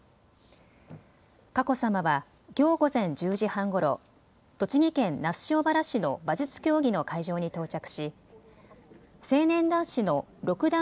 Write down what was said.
佳子さまはきょう午前１０時半ごろ栃木県那須塩原市の馬術競技の会場に到着し、成年男子の六段